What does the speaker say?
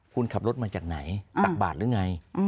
คุณขับรถมาจากไหนตักบาทหรือไง